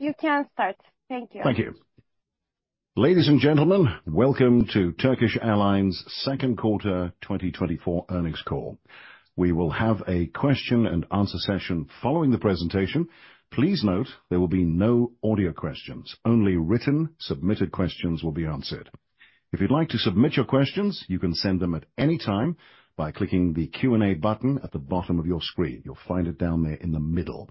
You can start. Thank you. Thank you. Ladies and gentlemen, welcome to Turkish Airlines' second quarter 2024 earnings call. We will have a question and answer session following the presentation. Please note, there will be no audio questions, only written submitted questions will be answered. If you'd like to submit your questions, you can send them at any time by clicking the Q&A button at the bottom of your screen. You'll find it down there in the middle.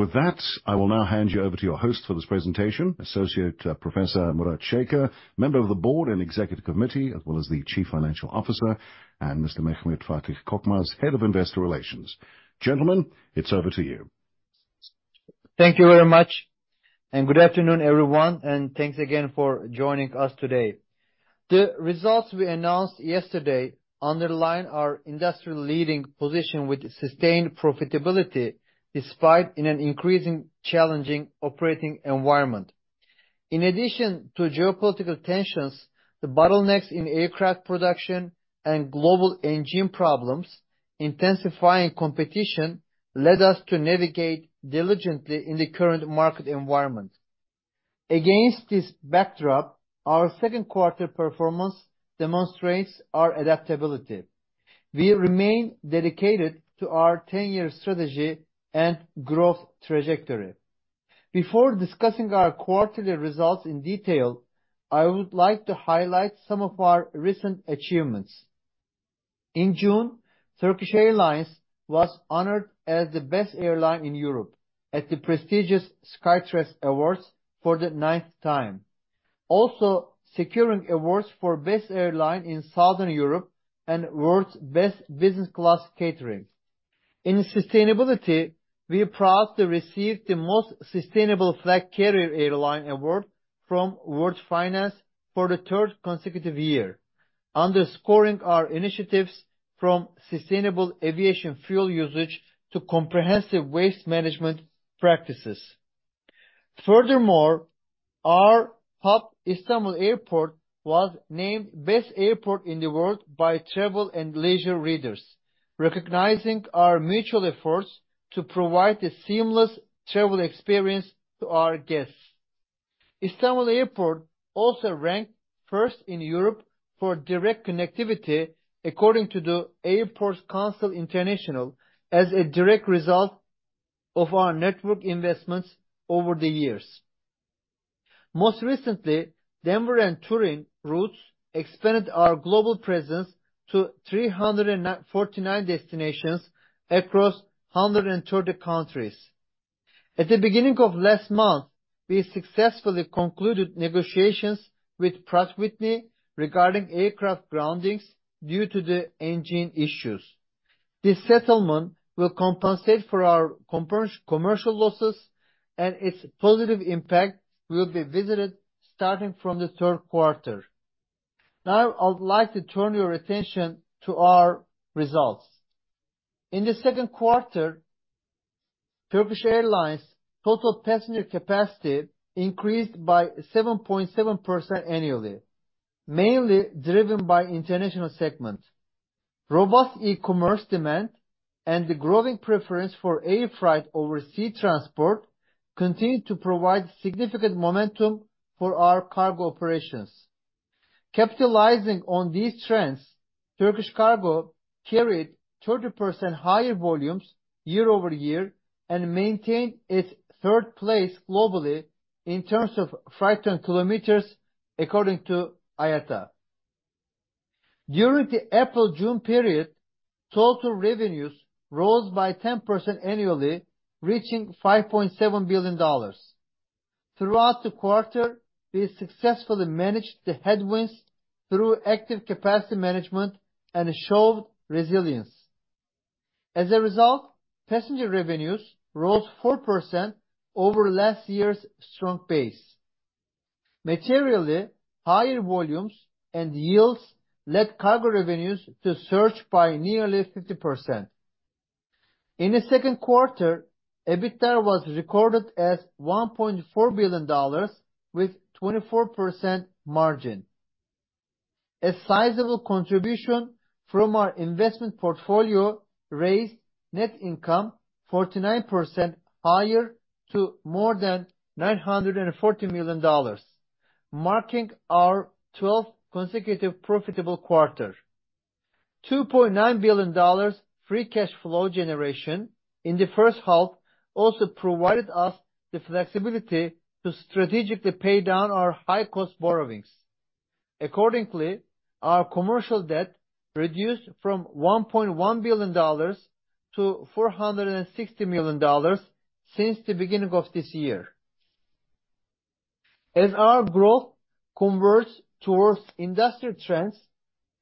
With that, I will now hand you over to your host for this presentation, Associate Professor Murat Şeker, member of the board and executive committee, as well as the Chief Financial Officer, and Mr. Mehmet Fatih Korkmaz, Head of Investor Relations. Gentlemen, it's over to you. Thank you very much, and good afternoon, everyone, and thanks again for joining us today. The results we announced yesterday underline our industry-leading position with sustained profitability, despite an increasingly challenging operating environment. In addition to geopolitical tensions, the bottlenecks in aircraft production and global engine problems, intensifying competition led us to navigate diligently in the current market environment. Against this backdrop, our second quarter performance demonstrates our adaptability. We remain dedicated to our ten-year strategy and growth trajectory. Before discussing our quarterly results in detail, I would like to highlight some of our recent achievements. In June, Turkish Airlines was honored as the best airline in Europe at the prestigious Skytrax Awards for the ninth time. Also, securing awards for Best Airline in Southern Europe and World's Best Business Class Catering. In sustainability, we are proud to receive the Most Sustainable Flag Carrier Airline award from World Finance for the third consecutive year, underscoring our initiatives from sustainable aviation fuel usage to comprehensive waste management practices. Furthermore, our hub, Istanbul Airport, was named best airport in the world by Travel and Leisure readers, recognizing our mutual efforts to provide a seamless travel experience to our guests. Istanbul Airport also ranked first in Europe for direct connectivity, according to the Airports Council International, as a direct result of our network investments over the years. Most recently, Denver and Turin routes expanded our global presence to 349 destinations across 130 countries. At the beginning of last month, we successfully concluded negotiations with Pratt & Whitney regarding aircraft groundings due to the engine issues. This settlement will compensate for our commercial losses, and its positive impact will be realized starting from the third quarter. Now, I would like to turn your attention to our results. In the second quarter, Turkish Airlines' total passenger capacity increased by 7.7% annually, mainly driven by international segment. Robust e-commerce demand and the growing preference for air freight over sea transport continued to provide significant momentum for our cargo operations. Capitalizing on these trends, Turkish Cargo carried 30% higher volumes year-over-year and maintained its third place globally in terms of freight ton kilometers, according to IATA. During the April-June period, total revenues rose by 10% annually, reaching $5.7 billion. Throughout the quarter, we successfully managed the headwinds through active capacity management and showed resilience. As a result, passenger revenues rose 4% over last year's strong base. Materially, higher volumes and yields led cargo revenues to surge by nearly 50%. In the second quarter, EBITDA was recorded as $1.4 billion with 24% margin. A sizable contribution from our investment portfolio raised net income 49% higher to more than $940 million, marking our 12th consecutive profitable quarter. $2.9 billion free cash flow generation in the first half also provided us the flexibility to strategically pay down our high cost borrowings. Accordingly, our commercial debt reduced from $1.1 billion to $460 million since the beginning of this year. As our growth converts towards industry trends,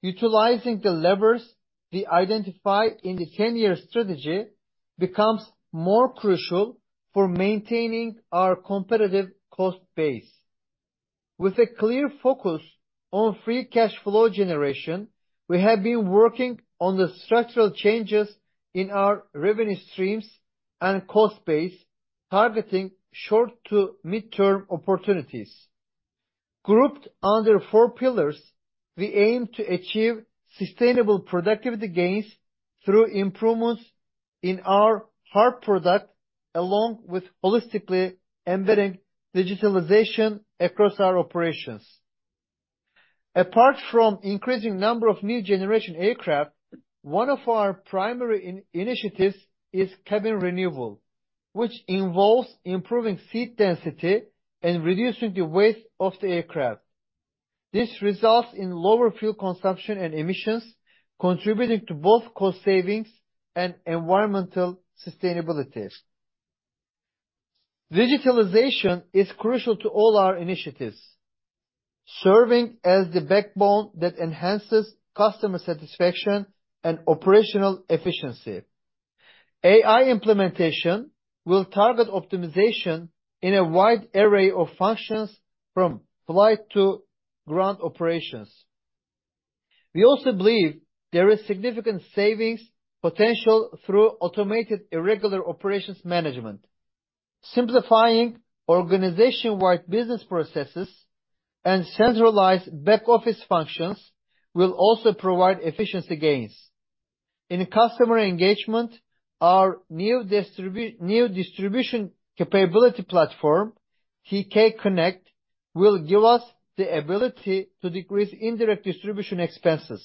utilizing the levers we identify in the ten-year strategy becomes more crucial for maintaining our competitive cost base. With a clear focus on free cash flow generation, we have been working on the structural changes in our revenue streams and cost base, targeting short- to mid-term opportunities... grouped under four pillars, we aim to achieve sustainable productivity gains through improvements in our hard product, along with holistically embedding digitalization across our operations. Apart from increasing number of new generation aircraft, one of our primary initiatives is cabin renewal, which involves improving seat density and reducing the weight of the aircraft. This results in lower fuel consumption and emissions, contributing to both cost savings and environmental sustainability. Digitalization is crucial to all our initiatives, serving as the backbone that enhances customer satisfaction and operational efficiency. AI implementation will target optimization in a wide array of functions, from flight to ground operations. We also believe there is significant savings potential through automated irregular operations management. Simplifying organization-wide business processes and centralized back office functions will also provide efficiency gains. In customer engagement, our new distribution capability platform, TK Connect, will give us the ability to decrease indirect distribution expenses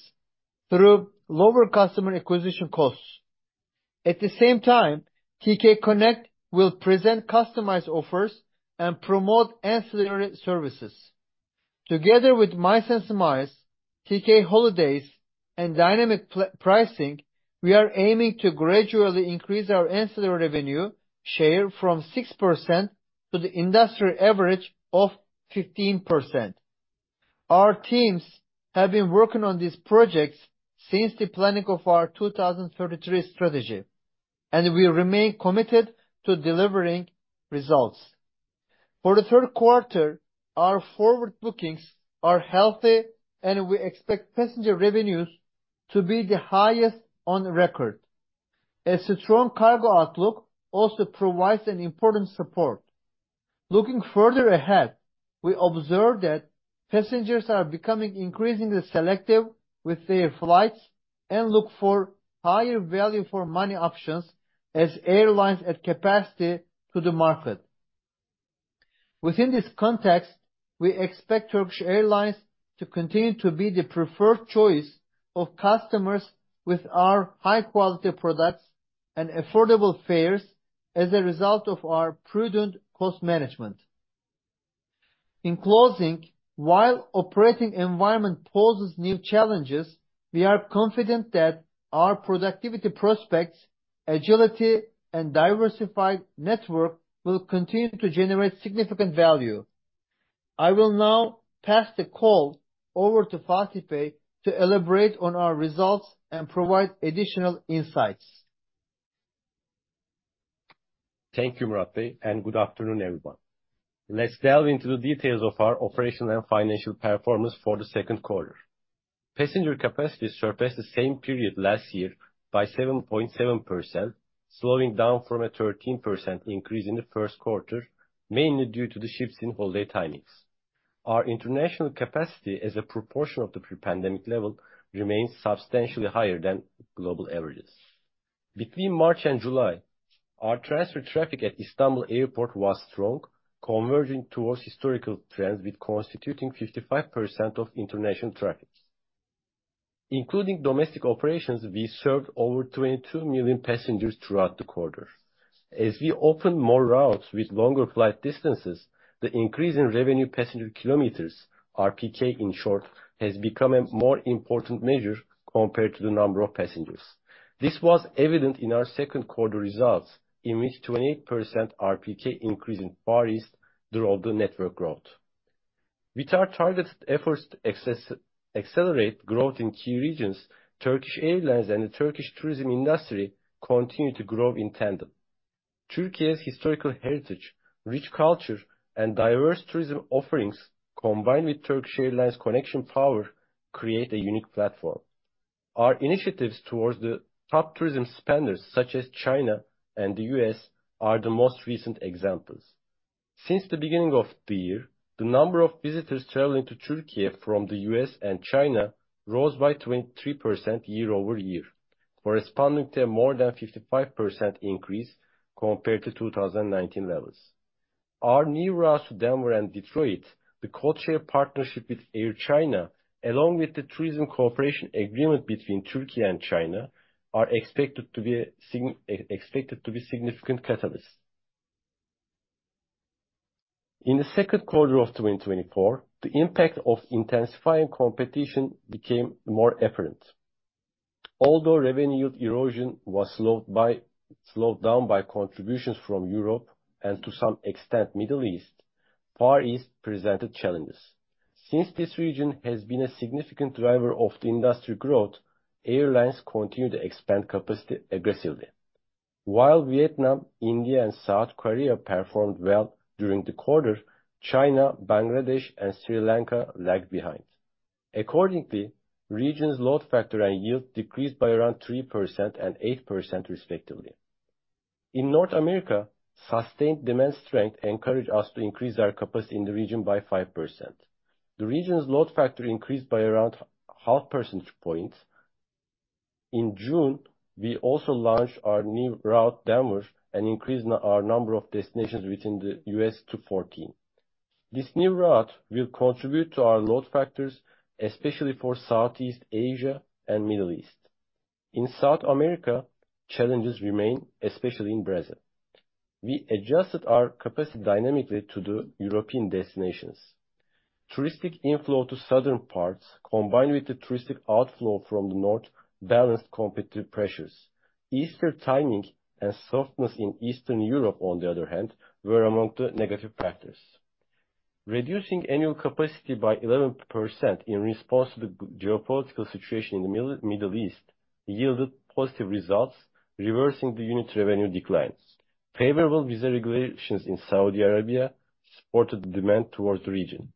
through lower customer acquisition costs. At the same time, TK Connect will present customized offers and promote ancillary services. Together with Miles&Smiles, TK Holidays, and dynamic pricing, we are aiming to gradually increase our ancillary revenue share from 6% to the industry average of 15%. Our teams have been working on these projects since the planning of our 2023 strategy, and we remain committed to delivering results. For the third quarter, our forward bookings are healthy, and we expect passenger revenues to be the highest on record, as the strong cargo outlook also provides an important support. Looking further ahead, we observe that passengers are becoming increasingly selective with their flights and look for higher value for money options as airlines add capacity to the market. Within this context, we expect Turkish Airlines to continue to be the preferred choice of customers with our high quality products and affordable fares as a result of our prudent cost management. In closing, while operating environment poses new challenges, we are confident that our productivity prospects, agility, and diversified network will continue to generate significant value. I will now pass the call over to Fatih Korkmaz to elaborate on our results and provide additional insights. Thank you, Murat Şeker, and good afternoon, everyone. Let's delve into the details of our operational and financial performance for the second quarter. Passenger capacity surpassed the same period last year by 7.7%, slowing down from a 13% increase in the first quarter, mainly due to the shifts in holiday timings. Our international capacity as a proportion of the pre-pandemic level remains substantially higher than global averages. Between March and July, our transfer traffic at Istanbul Airport was strong, converging towards historical trends, with constituting 55% of international traffic. Including domestic operations, we served over 22 million passengers throughout the quarter. As we open more routes with longer flight distances, the increase in revenue passenger kilometers, RPK in short, has become a more important measure compared to the number of passengers. This was evident in our second quarter results, in which 28% RPK increase in Far East drove the network growth. With our targeted efforts to accelerate growth in key regions, Turkish Airlines and the Turkish tourism industry continue to grow in tandem. Turkey's historical heritage, rich culture, and diverse tourism offerings, combined with Turkish Airlines connection power, create a unique platform. Our initiatives towards the top tourism spenders, such as China and the US, are the most recent examples. Since the beginning of the year, the number of visitors traveling to Turkey from the US and China rose by 23% year-over-year, corresponding to a more than 55% increase compared to 2019 levels. Our new routes to Denver and Detroit, the code share partnership with Air China, along with the tourism cooperation agreement between Turkey and China, are expected to be significant catalysts. In the second quarter of 2024, the impact of intensifying competition became more apparent. Although revenue erosion was slowed down by contributions from Europe and to some extent, Middle East, Far East presented challenges. Since this region has been a significant driver of the industry growth, airlines continue to expand capacity aggressively. While Vietnam, India, and South Korea performed well during the quarter, China, Bangladesh, and Sri Lanka lagged behind. Accordingly, region's load factor and yield decreased by around 3% and 8%, respectively. In North America, sustained demand strength encouraged us to increase our capacity in the region by 5%. The region's load factor increased by around half percentage points. In June, we also launched our new route, Denver, and increased our number of destinations within the U.S. to 14%. This new route will contribute to our load factors, especially for Southeast Asia and Middle East. In South America, challenges remain, especially in Brazil. We adjusted our capacity dynamically to the European destinations. Touristic inflow to southern parts, combined with the touristic outflow from the north, balanced competitive pressures. Easter timing and softness in Eastern Europe, on the other hand, were among the negative factors. Reducing annual capacity by 11% in response to the geopolitical situation in the Middle East yielded positive results, reversing the unit revenue declines. Favorable visa regulations in Saudi Arabia supported the demand towards the region.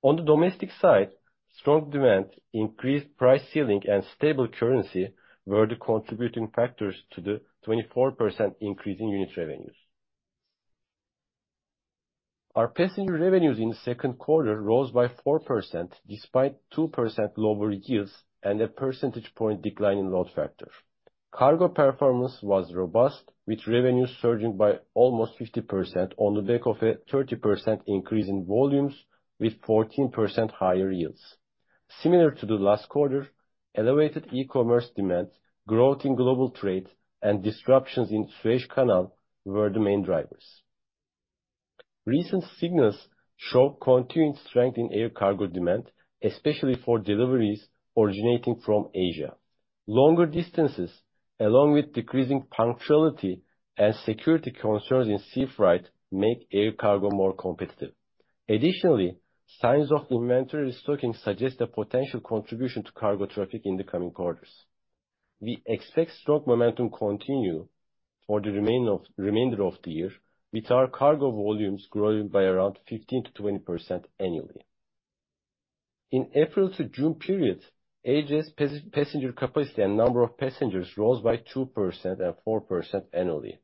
On the domestic side, strong demand, increased price ceiling, and stable currency were the contributing factors to the 24% increase in unit revenues. Our passenger revenues in the second quarter rose by 4%, despite 2% lower yields and a percentage point decline in load factor. Cargo performance was robust, with revenues surging by almost 50% on the back of a 30% increase in volumes, with 14% higher yields. Similar to the last quarter, elevated e-commerce demand, growth in global trade, and disruptions in Suez Canal were the main drivers. Recent signals show continued strength in air cargo demand, especially for deliveries originating from Asia. Longer distances, along with decreasing punctuality and security concerns in sea freight, make air cargo more competitive. Additionally, signs of inventory stocking suggest a potential contribution to cargo traffic in the coming quarters. We expect strong momentum continue for the remainder of the year, with our cargo volumes growing by around 15%-20% annually. In April to June period, AJet's passenger capacity and number of passengers rose by 2% and 4% annually.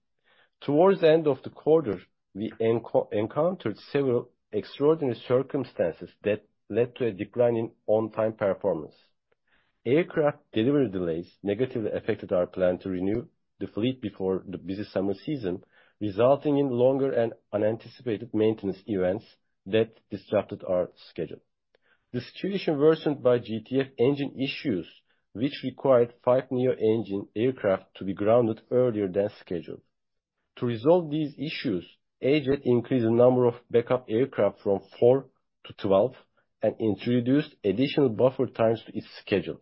Towards the end of the quarter, we encountered several extraordinary circumstances that led to a decline in on-time performance. Aircraft delivery delays negatively affected our plan to renew the fleet before the busy summer season, resulting in longer and unanticipated maintenance events that disrupted our schedule. The situation worsened by GTF engine issues, which required five new engine aircraft to be grounded earlier than scheduled. To resolve these issues, AJet increased the number of backup aircraft from four to 12 and introduced additional buffer times to its schedule.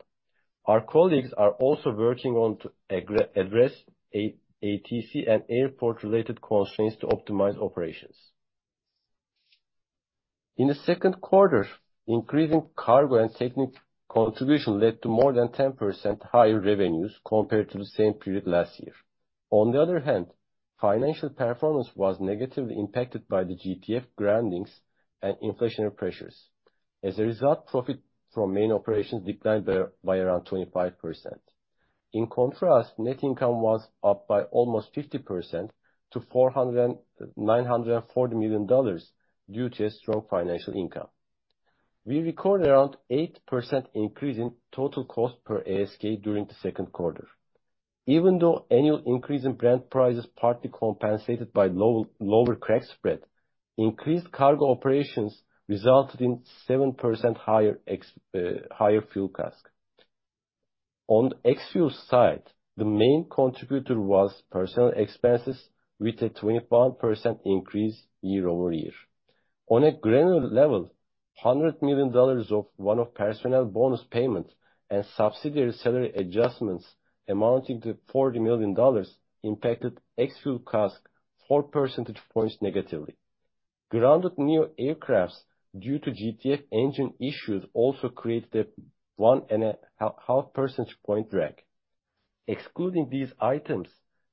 Our colleagues are also working on to address ATC and airport-related constraints to optimize operations. In the second quarter, increasing cargo and technical contribution led to more than 10% higher revenues compared to the same period last year. On the other hand, financial performance was negatively impacted by the GTF groundings and inflationary pressures. As a result, profit from main operations declined by around 25%. In contrast, net income was up by almost 50% to $940 million due to a strong financial income. We recorded around 8% increase in total cost per ASK during the second quarter. Even though annual increase in Brent prices partly compensated by lower crack spread, increased cargo operations resulted in 7% higher ex-fuel cost. On the ex-fuel side, the main contributor was personnel expenses with a 21% increase year-over-year. On a granular level, $100 million of one-off personnel bonus payment and subsidiary salary adjustments amounting to $40 million impacted ex-fuel costs 4 percentage points negatively. Grounded new aircraft due to GTF engine issues also created a 1.5 percentage point drag. Excluding these items,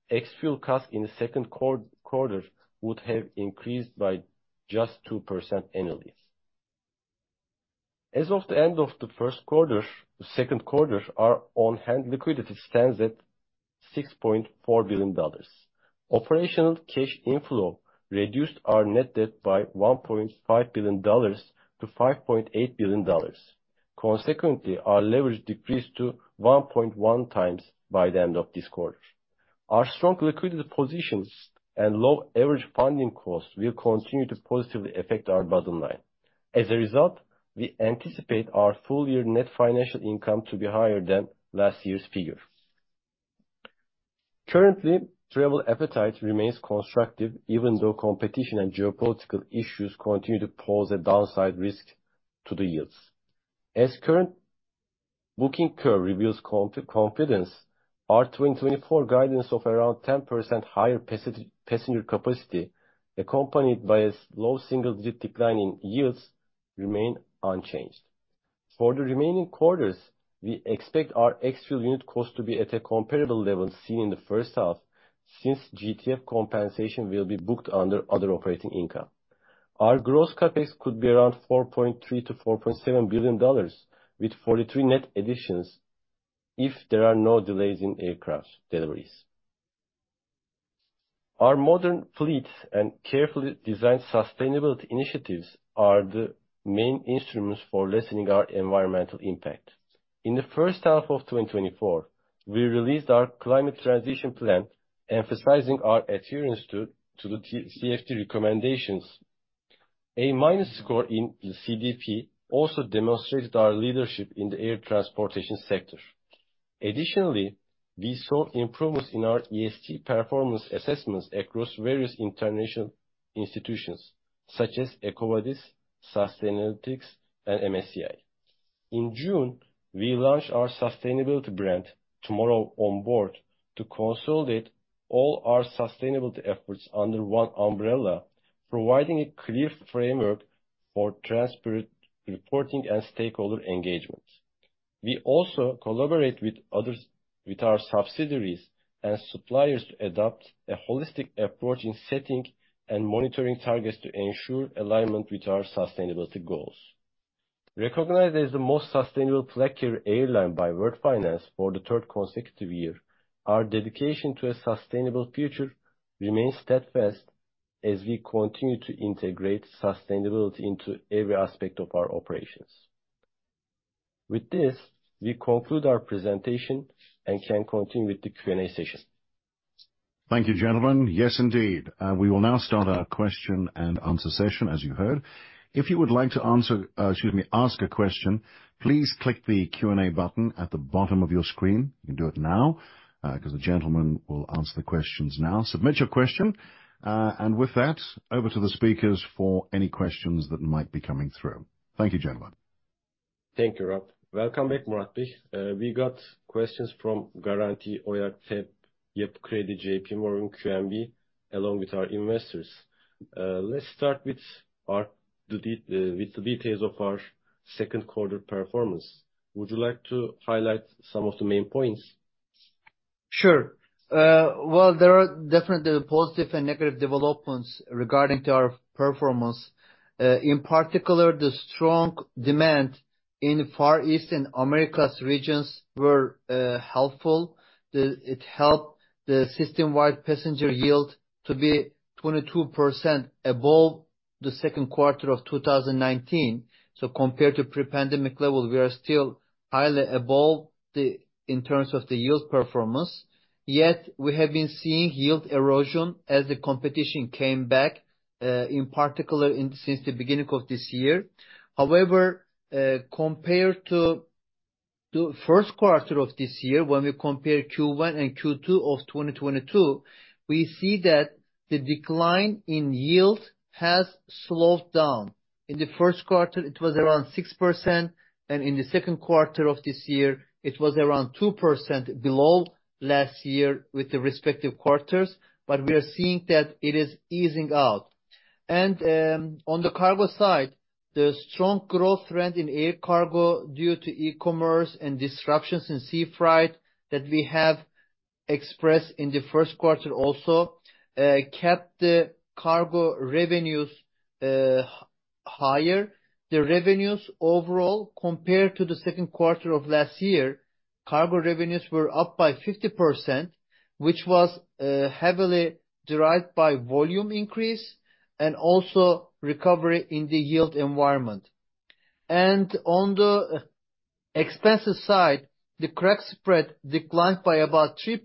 ex-fuel costs in the second quarter would have increased by just 2% annually. As of the end of the first quarter, the second quarter, our on-hand liquidity stands at $6.4 billion. Operational cash inflow reduced our net debt by $1.5 billion to $5.8 billion. Consequently, our leverage decreased to 1.1 times by the end of this quarter. Our strong liquidity positions and low average funding costs will continue to positively affect our bottom line. As a result, we anticipate our full-year net financial income to be higher than last year's figure. Currently, travel appetite remains constructive, even though competition and geopolitical issues continue to pose a downside risk to the yields. As current booking curve reviews confidence, our 2024 guidance of around 10% higher passenger capacity, accompanied by a low single-digit decline in yields, remain unchanged. For the remaining quarters, we expect our ex-fuel unit cost to be at a comparable level seen in the first half, since GTF compensation will be booked under other operating income. Our gross CapEx could be around $4.3 billion-$4.7 billion, with 43 net additions, if there are no delays in aircraft deliveries. Our modern fleet and carefully designed sustainability initiatives are the main instruments for lessening our environmental impact. In the first half of 2024, we released our climate transition plan, emphasizing our adherence to the TCFD recommendations. A minus score in the CDP also demonstrates our leadership in the air transportation sector. Additionally, we saw improvements in our ESG performance assessments across various international institutions, such as EcoVadis, Sustainalytics, and MSCI. In June, we launched our sustainability brand, Tomorrow On-Board, to consolidate all our sustainability efforts under one umbrella, providing a clear framework for transparent reporting and stakeholder engagement. We also collaborate with others, with our subsidiaries and suppliers, to adopt a holistic approach in setting and monitoring targets to ensure alignment with our sustainability goals. Recognized as the most sustainable flag carrier airline by World Finance for the third consecutive year, our dedication to a sustainable future remains steadfast as we continue to integrate sustainability into every aspect of our operations. With this, we conclude our presentation and can continue with the Q&A session. Thank you, gentlemen. Yes, indeed. We will now start our question and answer session, as you heard. If you would like to ask a question, please click the Q&A button at the bottom of your screen. You can do it now, 'cause the gentleman will answer the questions now. Submit your question, and with that, over to the speakers for any questions that might be coming through. Thank you, gentlemen. Thank you, Rob. Welcome back, Murat Bey. We got questions from Garanti, Oyak, TEB, Yapı Kredi, JP Morgan, QNB, along with our investors. Let's start with the details of our second quarter performance. Would you like to highlight some of the main points? Sure. Well, there are definitely positive and negative developments regarding to our performance. In particular, the strong demand in Far East and Americas regions were helpful. It helped the system-wide passenger yield to be 22% above the second quarter of 2019. So compared to pre-pandemic levels, we are still highly above the, in terms of the yield performance. Yet, we have been seeing yield erosion as the competition came back, in particular since the beginning of this year. However, compared to first quarter of this year, when we compare Q1 and Q2 of 2022, we see that the decline in yield has slowed down. In the first quarter, it was around 6%, and in the second quarter of this year, it was around 2% below last year with the respective quarters. But we are seeing that it is easing out. And on the cargo side, the strong growth trend in air cargo due to e-commerce and disruptions in sea freight that we have expressed in the first quarter also kept the cargo revenues higher. The revenues overall, compared to the second quarter of last year, cargo revenues were up by 50%, which was heavily derived by volume increase and also recovery in the yield environment. And on the expensive side, the crack spread declined by about 3%.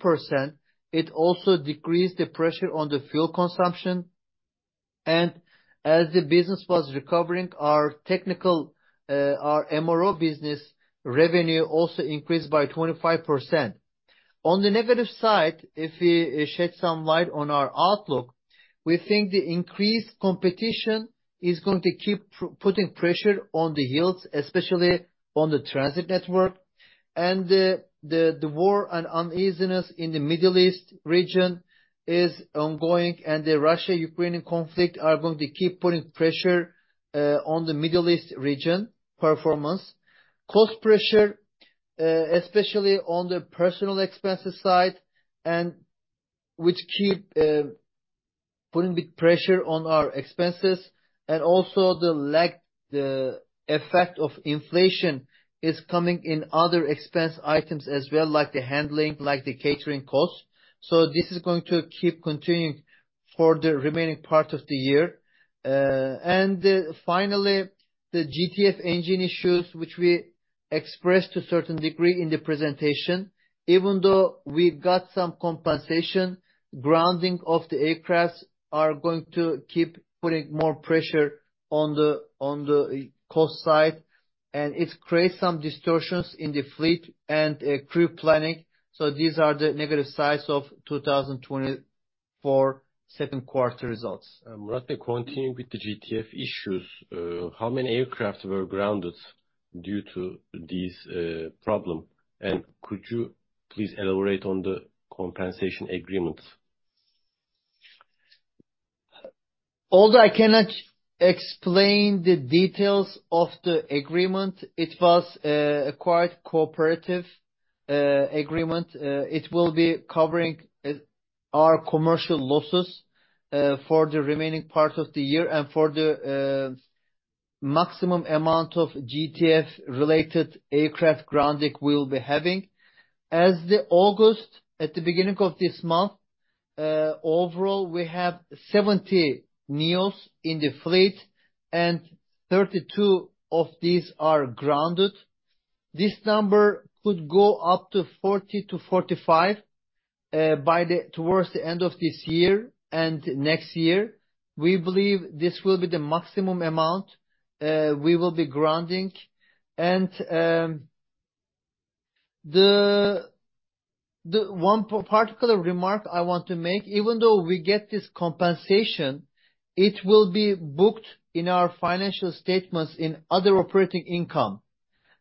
It also decreased the pressure on the fuel consumption, and as the business was recovering, our technical our MRO business revenue also increased by 25%. On the negative side, if we shed some light on our outlook, we think the increased competition is going to keep putting pressure on the yields, especially on the transit network. And the war and uneasiness in the Middle East region is ongoing, and the Russia-Ukrainian conflict are going to keep putting pressure on the Middle East region performance. Cost pressure, especially on the personal expenses side, and which keep putting big pressure on our expenses, and also the effect of inflation is coming in other expense items as well, like the handling, like the catering costs. So this is going to keep continuing for the remaining part of the year. Finally, the GTF engine issues, which we expressed to a certain degree in the presentation, even though we got some compensation, grounding of the aircraft are going to keep putting more pressure on the, on the cost side, and it creates some distortions in the fleet and, crew planning. So these are the negative sides of 2024 second quarter results. Murat, continuing with the GTF issues, how many aircraft were grounded due to this problem? And could you please elaborate on the compensation agreement? Although I cannot explain the details of the agreement, it was a quite cooperative agreement. It will be covering our commercial losses for the remaining part of the year and for the maximum amount of GTF-related aircraft grounding we will be having. As of August, at the beginning of this month, overall, we have 70 NEOs in the fleet, and 32 of these are grounded. This number could go up to 40-45 towards the end of this year and next year. We believe this will be the maximum amount we will be grounding. And, the one particular remark I want to make, even though we get this compensation, it will be booked in our financial statements in other operating income,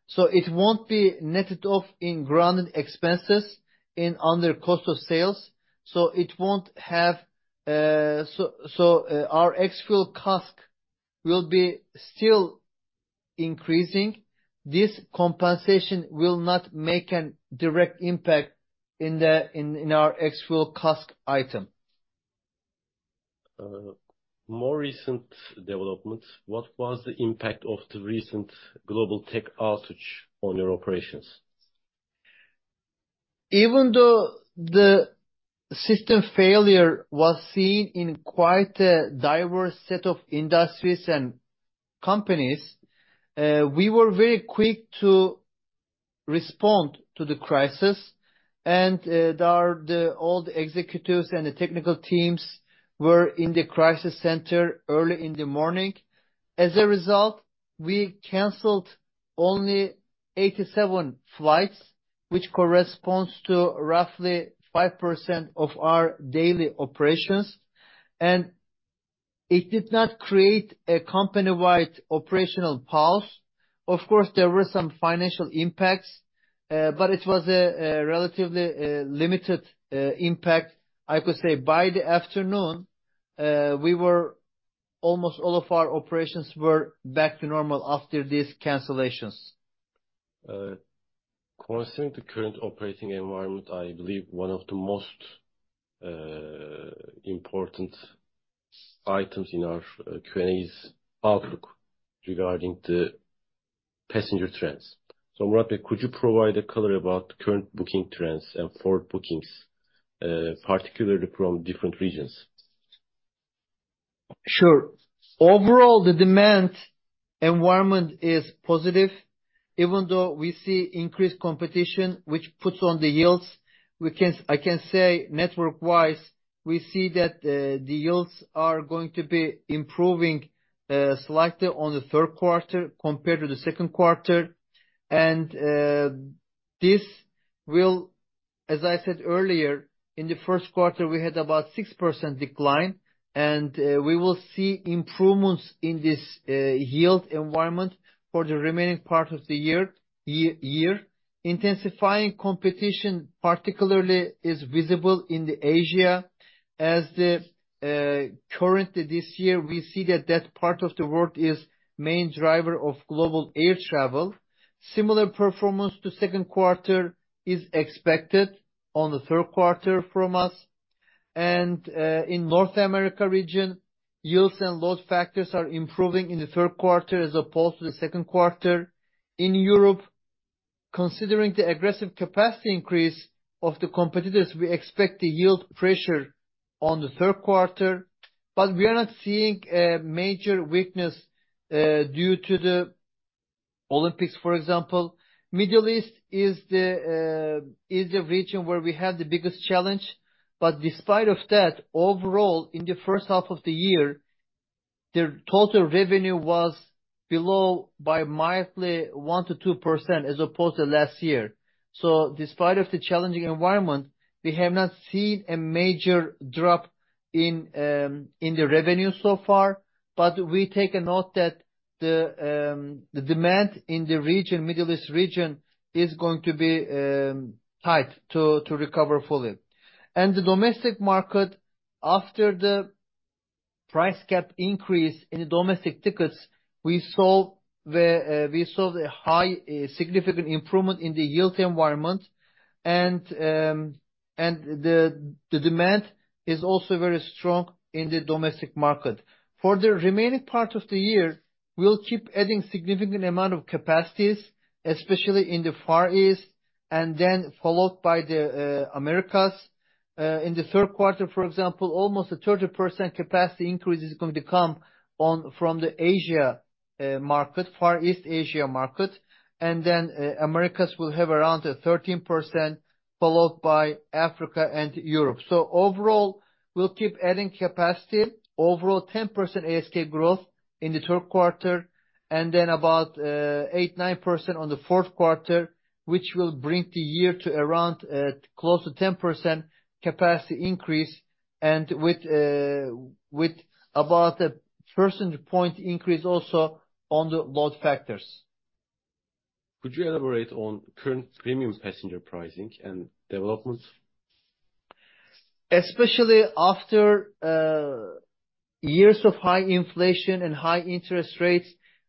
so it won't be netted off in grounded expenses in under cost of sales, so it won't have. So our ex-fuel CASK will be still increasing. This compensation will not make an direct impact in the, in, in our ex-fuel CASK item. More recent developments, what was the impact of the recent global tech outage on your operations? Even though the system failure was seen in quite a diverse set of industries and companies, we were very quick to respond to the crisis. All the executives and the technical teams were in the crisis center early in the morning. As a result, we canceled only 87 flights, which corresponds to roughly 5% of our daily operations, and it did not create a company-wide operational pause. Of course, there were some financial impacts, but it was a relatively limited impact. I could say by the afternoon, almost all of our operations were back to normal after these cancellations. Concerning the current operating environment, I believe one of the most important items in our Q&A is outlook regarding the passenger trends. So Murat, could you provide a color about the current booking trends and forward bookings, particularly from different regions? Sure. Overall, the demand environment is positive. Even though we see increased competition, which puts on the yields, I can say, network-wise, we see that the yields are going to be improving slightly on the third quarter compared to the second quarter. And this will, as I said earlier, in the first quarter, we had about 6% decline, and we will see improvements in this yield environment for the remaining part of the year, year. Intensifying competition, particularly, is visible in the Asia as the currently this year, we see that that part of the world is main driver of global air travel. Similar performance to second quarter is expected on the third quarter from us. And in North America region, yields and load factors are improving in the third quarter as opposed to the second quarter. In Europe, considering the aggressive capacity increase of the competitors, we expect the yield pressure on the third quarter, but we are not seeing a major weakness due to the Olympics, for example. Middle East is the region where we had the biggest challenge, but despite of that, overall, in the first half of the year, the total revenue was below by mildly 1%-2% as opposed to last year. So despite of the challenging environment, we have not seen a major drop in the revenue so far, but we take a note that the demand in the region, Middle East region, is going to be tough to recover fully. And the domestic market, after the price cap increase in the domestic tickets, we saw the high significant improvement in the yield environment. And the demand is also very strong in the domestic market. For the remaining part of the year, we'll keep adding significant amount of capacities, especially in the Far East, and then followed by the Americas. In the third quarter, for example, almost a 30% capacity increase is going to come on from the Asia market, Far East Asia market, and then Americas will have around a 13%, followed by Africa and Europe. So overall, we'll keep adding capacity. Overall, 10% ASK growth in the third quarter, and then about 8%-9% on the fourth quarter, which will bring the year to around close to 10% capacity increase and with about a percentage point increase also on the load factors. Could you elaborate on current premium passenger pricing and developments? Especially after years of high inflation and high interest rates,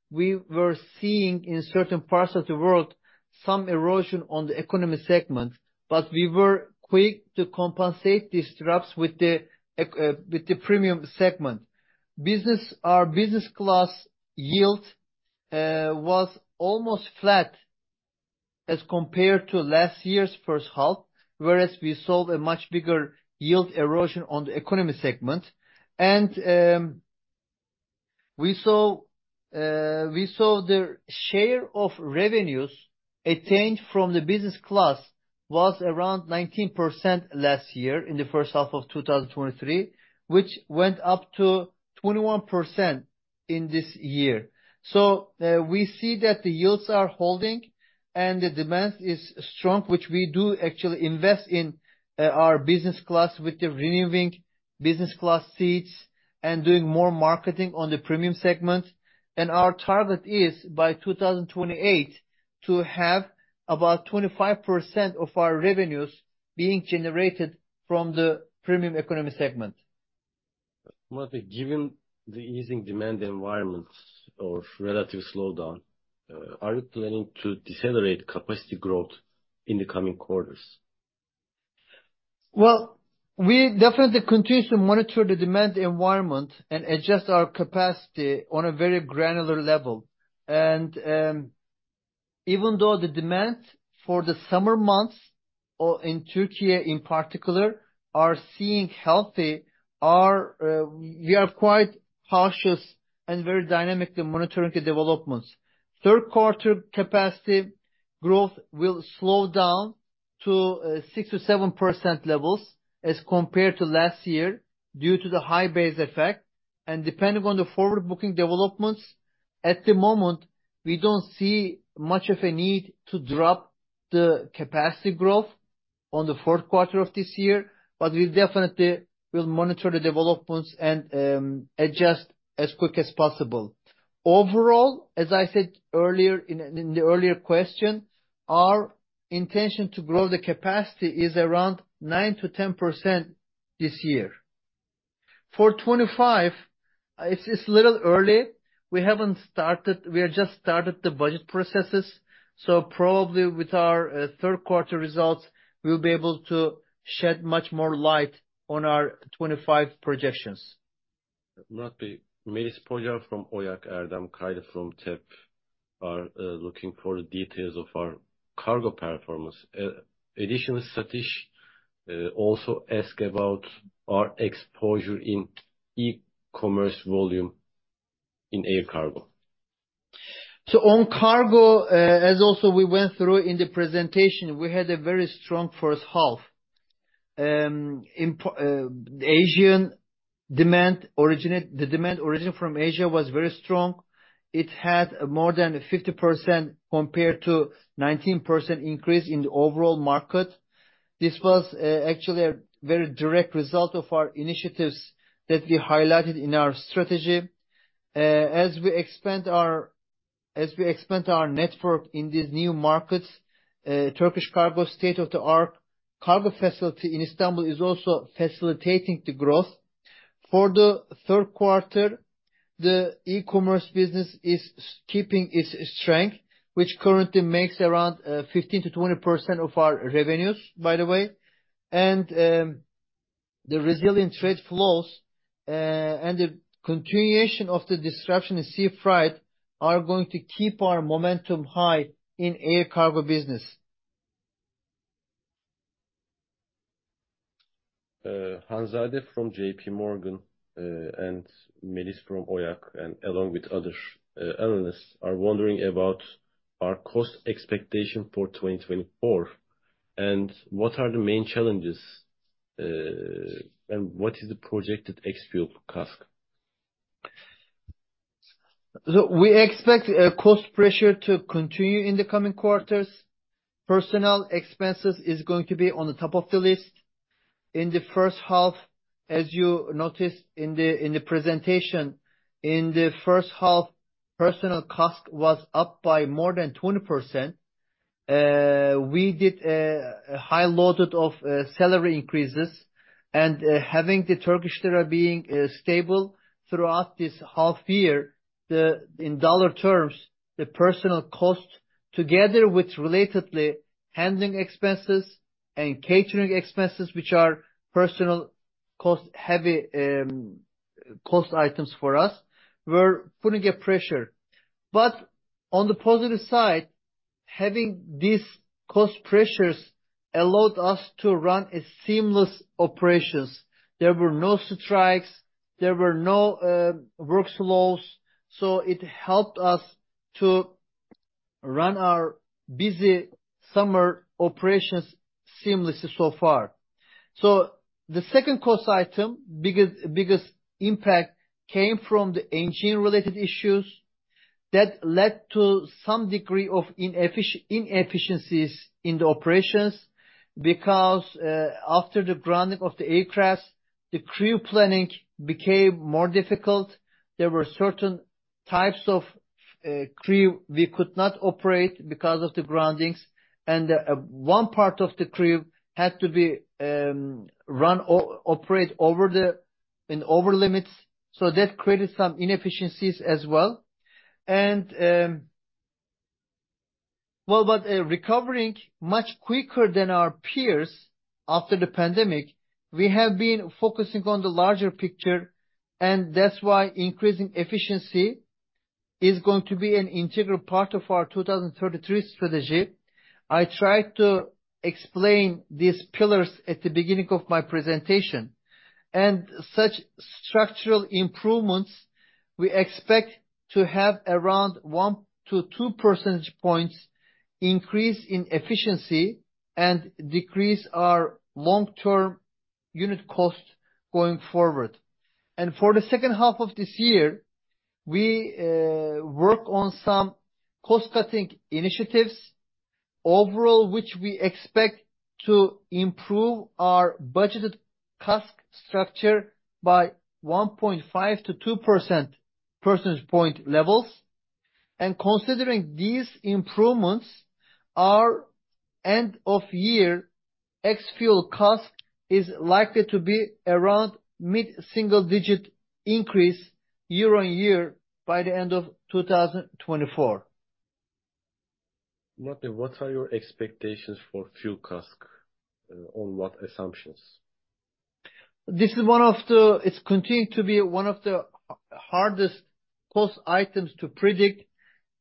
we were seeing in certain parts of the world some erosion on the economy segment, but we were quick to compensate these drops with the premium segment. Our business class yield was almost flat as compared to last year's first half, whereas we saw a much bigger yield erosion on the economy segment. And we saw the share of revenues attained from the business class was around 19% last year, in the first half of 2023, which went up to 21% in this year. So we see that the yields are holding and the demand is strong, which we do actually invest in our business class with the renewing business class seats and doing more marketing on the premium segments. Our target is, by 2028, to have about 25% of our revenues being generated from the premium economy segment. Murat, given the easing demand environments or relative slowdown, are you planning to decelerate capacity growth in the coming quarters? Well, we definitely continue to monitor the demand environment and adjust our capacity on a very granular level. And even though the demand for the summer months, or in Turkey in particular, are seeing healthy, we are quite cautious and very dynamically monitoring the developments. Third quarter capacity growth will slow down to 6%-7% levels as compared to last year, due to the high base effect, and depending on the forward booking developments. At the moment, we don't see much of a need to drop the capacity growth on the fourth quarter of this year, but we definitely will monitor the developments and adjust as quick as possible. Overall, as I said earlier in, in the earlier question, our intention to grow the capacity is around 9%-10% this year. For 2025, it's a little early. We haven't started. We have just started the budget processes, so probably with our, third quarter results, we'll be able to shed much more light on our 25 projections. Murat, Melis Pocar from Oyak, Erdem Kaylı from TEB are looking for the details of our cargo performance. Additionally, Satish also ask about our exposure in e-commerce volume in air cargo. So on cargo, as also we went through in the presentation, we had a very strong first half. Asian demand originate- the demand origin from Asia was very strong. It had more than 50% compared to 19% increase in the overall market. This was, actually a very direct result of our initiatives that we highlighted in our strategy. As we expand our, as we expand our network in these new markets, Turkish Cargo, state-of-the-art cargo facility in Istanbul is also facilitating the growth. For the third quarter, the e-commerce business is keeping its strength, which currently makes around, 15%-20% of our revenues, by the way. And, the resilient trade flows, and the continuation of the disruption in sea freight are going to keep our momentum high in air cargo business. Hanzade from JP Morgan, and Melis from Oyak, and along with other analysts, are wondering about our cost expectation for 2024, and what are the main challenges, and what is the projected ex-fuel CASK? So we expect cost pressure to continue in the coming quarters. Personnel expenses is going to be on the top of the list. In the first half, as you noticed in the presentation, in the first half, personnel CASK was up by more than 20%. We did a high load of salary increases, and having the Turkish lira being stable throughout this half year, in dollar terms, the personnel cost, together with relatedly, handling expenses and catering expenses, which are personnel cost-heavy cost items for us, were putting a pressure. But on the positive side, having these cost pressures allowed us to run a seamless operations. There were no strikes, there were no work slows, so it helped us to run our busy summer operations seamlessly so far. So the second cost item, biggest impact came from the engine-related issues that led to some degree of inefficiencies in the operations, because after the grounding of the aircraft, the crew planning became more difficult. There were certain types of crew we could not operate because of the groundings, and one part of the crew had to operate over the limits, so that created some inefficiencies as well. But recovering much quicker than our peers after the pandemic, we have been focusing on the larger picture, and that's why increasing efficiency is going to be an integral part of our 2023 strategy. I tried to explain these pillars at the beginning of my presentation. And such structural improvements, we expect to have around 1%-2% points increase in efficiency, and decrease our long-term unit cost going forward. And for the second half of this year, we work on some cost-cutting initiatives, overall, which we expect to improve our budgeted CASK structure by 1.5-2 percentage points. And considering these improvements, our end-of-year ex-fuel CASK is likely to be around mid-single digit increase year-on-year by the end of 2024. What, what are your expectations for fuel CASK, on what assumptions? This is one of the—it's continuing to be one of the hardest cost items to predict.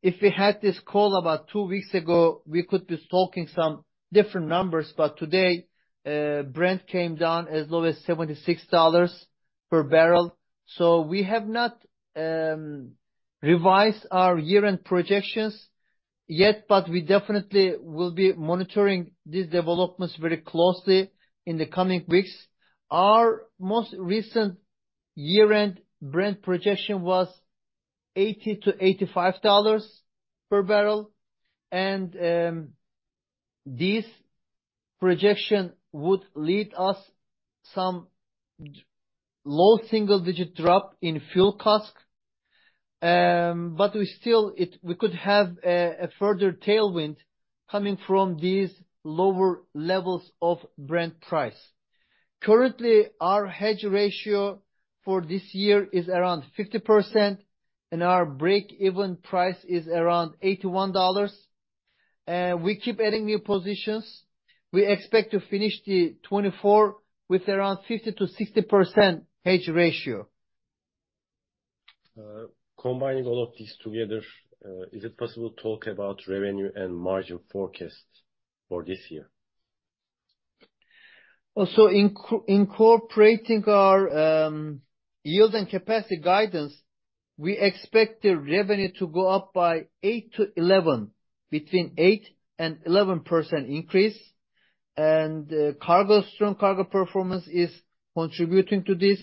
If we had this call about two weeks ago, we could be talking some different numbers, but today, Brent came down as low as $76 per barrel. So we have not revised our year-end projections yet, but we definitely will be monitoring these developments very closely in the coming weeks. Our most recent year-end Brent projection was $80-$85 per barrel, and, this projection would lead us some low single-digit drop in fuel CASK. But we still, we could have a further tailwind coming from these lower levels of Brent price. Currently, our hedge ratio for this year is around 50%, and our break-even price is around $81. We keep adding new positions. We expect to finish the 2024 with around 50%-60% hedge ratio. Combining all of these together, is it possible to talk about revenue and margin forecasts for this year? Also incorporating our yield and capacity guidance, we expect the revenue to go up by 8%-11%, between 8% and 11% increase, and cargo, strong cargo performance is contributing to this.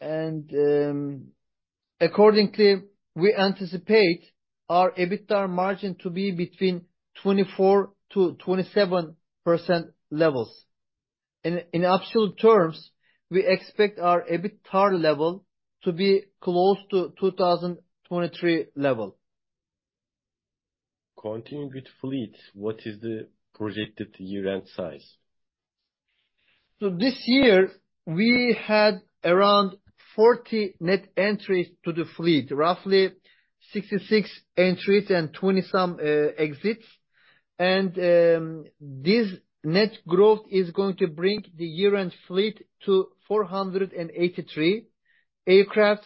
And accordingly, we anticipate our EBITDA margin to be between 24%-27% levels. In absolute terms, we expect our EBITDA level to be close to 2023 level. Continuing with fleet, what is the projected year-end size? So this year, we had around 40 net entries to the fleet, roughly 66 entries and 20-some exits. This net growth is going to bring the year-end fleet to 483 aircraft.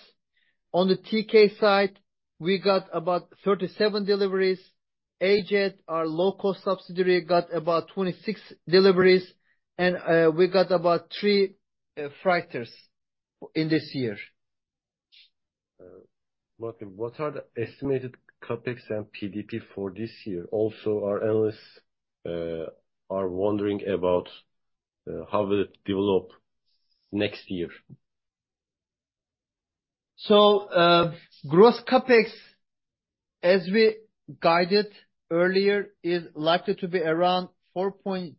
On the TK side, we got about 37 deliveries. AJet, our low-cost subsidiary, got about 26 deliveries, and we got about three freighters in this year. What, what are the estimated CapEx and PDP for this year? Also, our analysts are wondering about how it will develop next year. So, gross CapEx, as we guided earlier, is likely to be around $4.3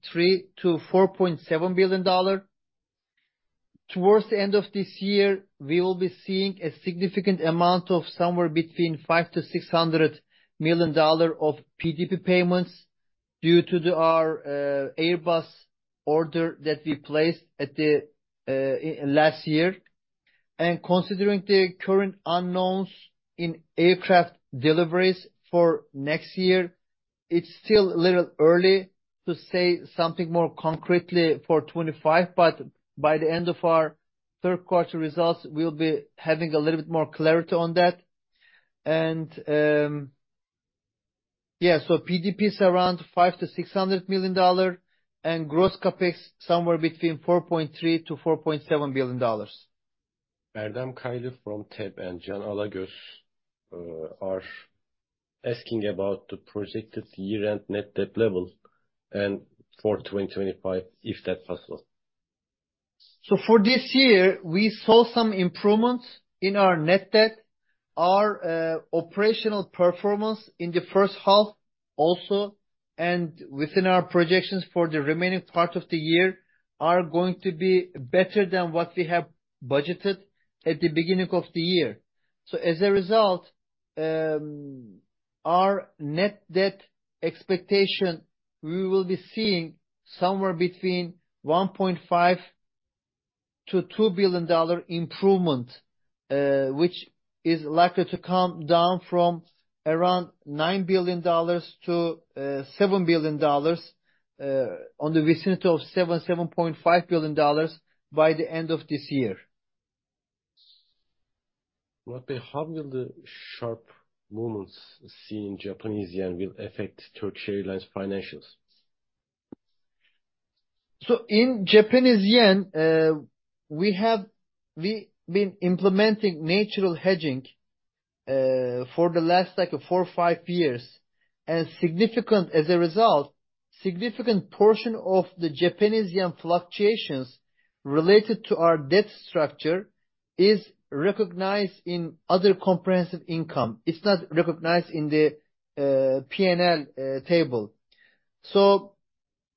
billion-$4.7 billion. Towards the end of this year, we will be seeing a significant amount of somewhere between $500 million-$600 million of PDP payments due to our Airbus order that we placed at the last year. And considering the current unknowns in aircraft deliveries for next year, it's still a little early to say something more concretely for 2025, but by the end of our third quarter results, we'll be having a little bit more clarity on that. And yeah, so PDP is around $500 million-$600 million, and gross CapEx, somewhere between $4.3 billion-$4.7 billion. Erdem Kaylı from TEB and Can Alagöz are asking about the projected year-end net debt level and for 2025, if that's possible. So for this year, we saw some improvements in our net debt, our operational performance in the first half also, and within our projections for the remaining part of the year are going to be better than what we have budgeted at the beginning of the year. So as a result, our net debt expectation, we will be seeing somewhere between $1.5-$2 billion improvement, which is likely to come down from around $9 billion to $7 billion, on the vicinity of $7-$7.5 billion by the end of this year. Murat, how will the sharp movements seen in Japanese yen will affect Turkish Airlines financials? So in Japanese yen, we have been implementing natural hedging for the last, like four, five years, and significant as a result, significant portion of the Japanese yen fluctuations related to our debt structure is recognized in other comprehensive income. It's not recognized in the PNL table. So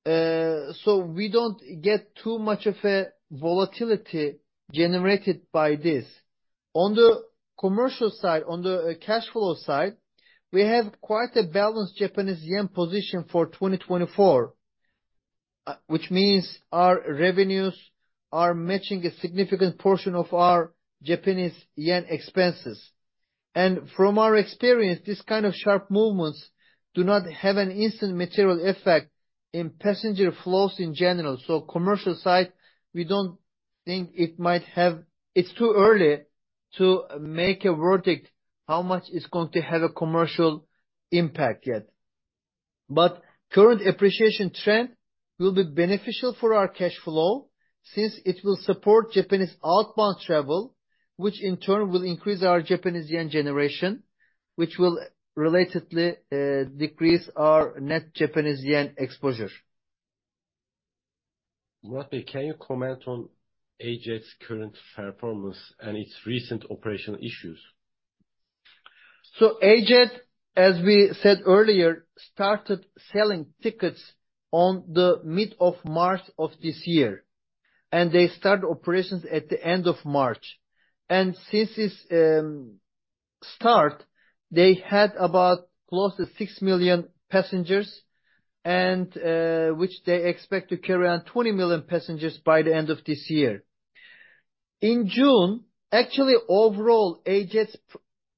we don't get too much of a volatility generated by this. On the commercial side, on the cash flow side, we have quite a balanced Japanese yen position for 2024, which means our revenues are matching a significant portion of our Japanese yen expenses. And from our experience, this kind of sharp movements do not have an instant material effect in passenger flows in general. So commercial side, we don't think it might have... It's too early to make a verdict, how much it's going to have a commercial impact yet. But current appreciation trend will be beneficial for our cash flow, since it will support Japanese outbound travel, which in turn will increase our Japanese yen generation, which will relatedly, decrease our net Japanese yen exposure. Murat, can you comment on AJet's current performance and its recent operational issues? So AJet, as we said earlier, started selling tickets on the mid of March of this year, and they start operations at the end of March. And since this start, they had about close to 6 million passengers, and, which they expect to carry around 20 million passengers by the end of this year. In June, actually, overall, AJet's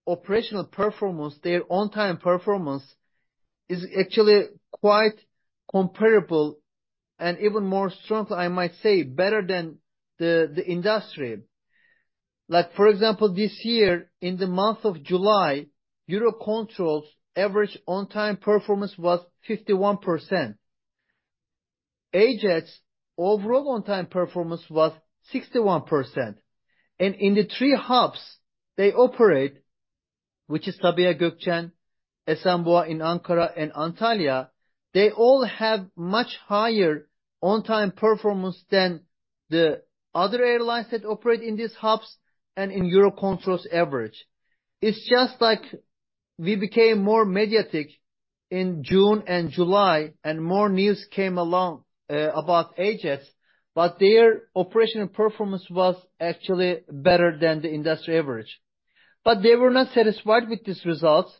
operational performance, their on-time performance, is actually quite comparable and even more stronger, I might say, better than the, the industry. Like, for example, this year, in the month of July, Eurocontrol's average on-time performance was 51%. AJet's overall on-time performance was 61%. And in the three hubs they operate, which is Sabiha Gökçen, Esenboğa in Ankara and Antalya, they all have much higher on-time performance than the other airlines that operate in these hubs and in Eurocontrol's average. It's just like we became more mediatic in June and July, and more news came along, about AJet, but their operational performance was actually better than the industry average. But they were not satisfied with these results.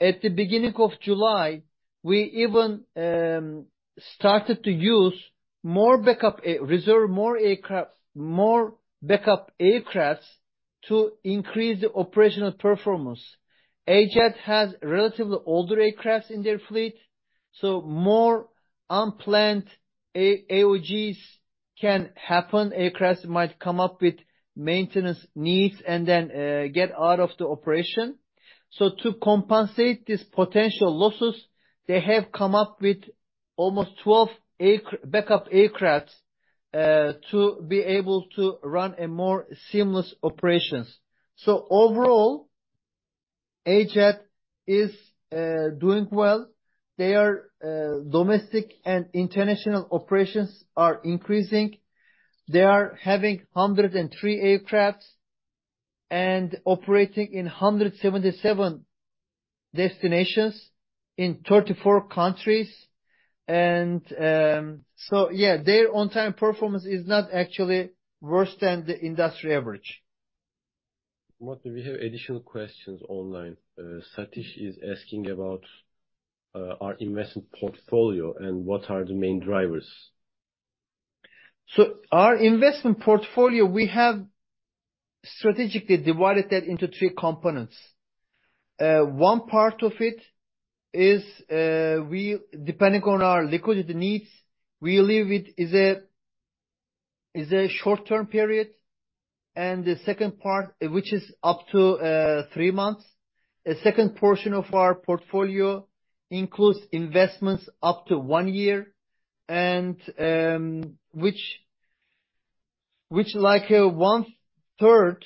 At the beginning of July, we even started to use more backup, reserve more aircraft, more backup aircraft to increase the operational performance. AJet has relatively older aircraft in their fleet, so more unplanned AOGs can happen. Aircraft might come up with maintenance needs and then get out of the operation. So to compensate these potential losses, they have come up with almost 12 backup aircraft to be able to run a more seamless operations. So overall, AJet is doing well. Their domestic and international operations are increasing. They are having 103 aircraft and operating in 177 destinations in 34 countries. So yeah, their on-time performance is not actually worse than the industry average. Murat, we have additional questions online. Satish is asking about our investment portfolio and what are the main drivers? So our investment portfolio, we have strategically divided that into three components. One part of it is, depending on our liquidity needs, we leave it as a short-term period. And the second part, which is up to 3 months. A second portion of our portfolio includes investments up to 1 year, and, like, one-third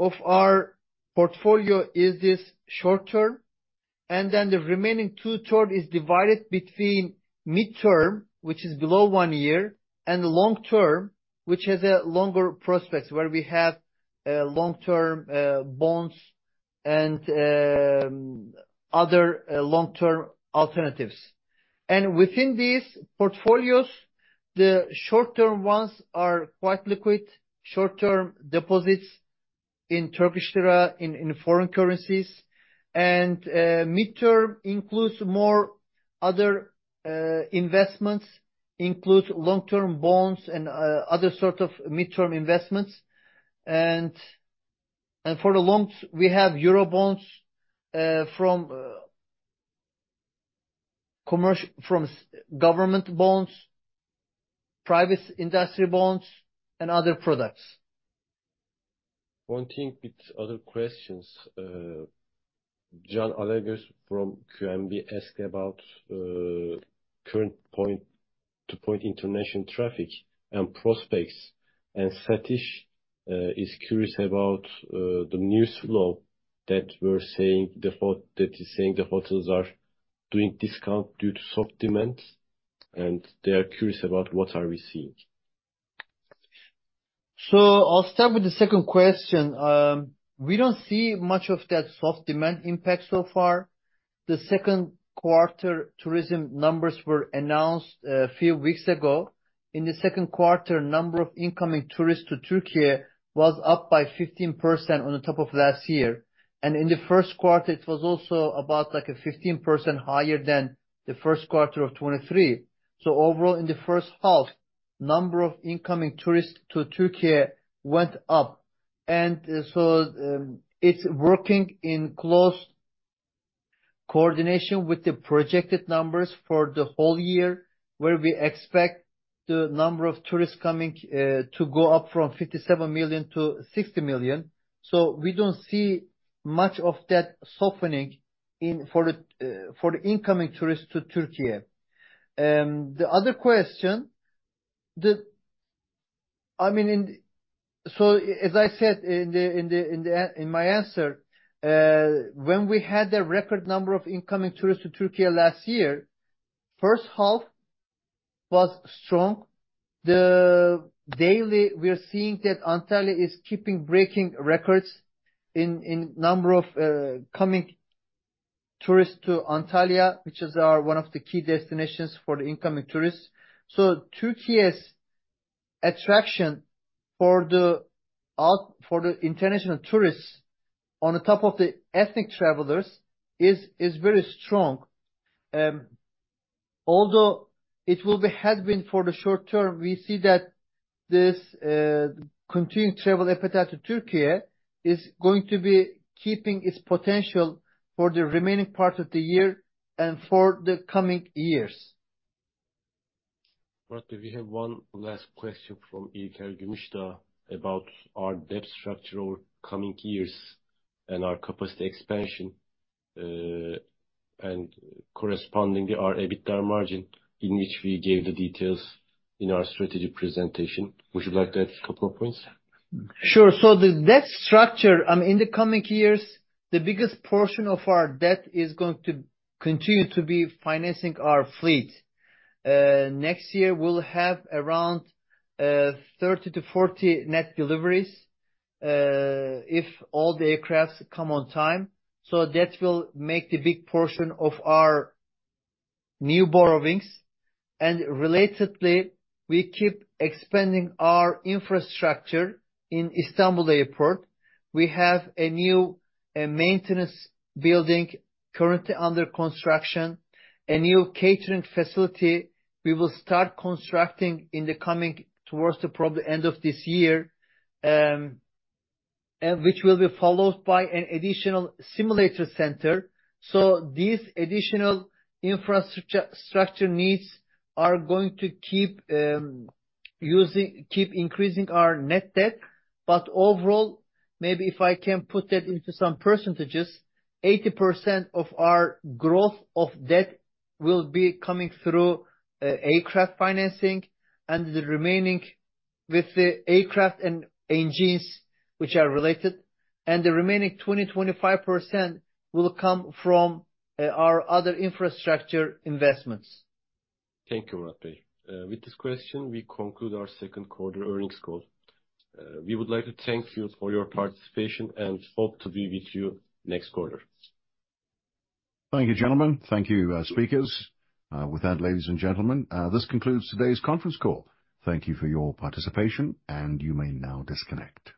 of our portfolio is this short term, and then the remaining two-thirds is divided between mid-term, which is below 1 year, and long-term, which has a longer prospects, where we have long-term bonds and other long-term alternatives. And within these portfolios, the short-term ones are quite liquid. Short-term deposits in Turkish lira, in foreign currencies, and mid-term includes more other investments, includes long-term bonds and other sort of mid-term investments. For the loans, we have Euro bonds from government bonds, private industry bonds, and other products. One thing with other questions, Can Alagöz from QNB asked about current point to point international traffic and prospects. Satish is curious about the news flow that we're saying, the hot- that is saying the hotels are doing discount due to soft demand, and they are curious about what are we seeing. So I'll start with the second question. We don't see much of that soft demand impact so far. The second quarter tourism numbers were announced a few weeks ago. In the second quarter, number of incoming tourists to Türkiye was up by 15% on top of last year, and in the first quarter, it was also about, like, 15% higher than the first quarter of 2023. So overall, in the first half, number of incoming tourists to Türkiye went up. And so, it's working in close coordination with the projected numbers for the whole year, where we expect the number of tourists coming to go up from 57 million to 60 million. So we don't see much of that softening in, for the, for the incoming tourists to Türkiye. The other question, the... I mean, so as I said, in my answer, when we had a record number of incoming tourists to Türkiye last year, first half was strong. We are seeing that Antalya is keeping breaking records in number of coming tourists to Antalya, which is one of the key destinations for the incoming tourists. So Türkiye's attraction for the international tourists, on top of the ethnic travelers, is very strong. Although it will be headwind for the short term, we see that this continuing travel appetite to Türkiye is going to be keeping its potential for the remaining part of the year and for the coming years. But we have one last question from İlker Gümüştaş about our debt structure over coming years and our capacity expansion, and correspondingly, our EBITDA margin, in which we gave the details in our strategic presentation. Would you like to add a couple of points? Sure. So the debt structure, in the coming years, the biggest portion of our debt is going to continue to be financing our fleet. Next year we'll have around 30-40 net deliveries, if all the aircraft come on time. So that will make the big portion of our new borrowings. And relatedly, we keep expanding our infrastructure in Istanbul Airport. We have a new maintenance building currently under construction. A new catering facility we will start constructing in the coming, towards probably the end of this year, which will be followed by an additional simulator center. So these additional infrastructure needs are going to keep increasing our net debt. Overall, maybe if I can put that into some percentages, 80% of our growth of debt will be coming through aircraft financing and the remaining with the aircraft and engines, which are related, and the remaining 20%-25% will come from our other infrastructure investments. Thank you, Murat. With this question, we conclude our second quarter earnings call. We would like to thank you for your participation and hope to be with you next quarter. Thank you, gentlemen. Thank you, speakers. With that, ladies and gentlemen, this concludes today's conference call. Thank you for your participation, and you may now disconnect.